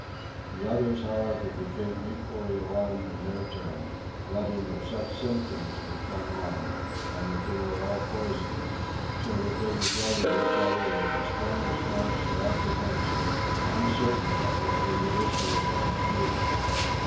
The others however became equally alarmed in their turn, dreading that such symptoms would come on, and that they were all poisoned, so that they regarded each other with the strongest marks of apprehension, uncertain what would be the issue of their imprudence.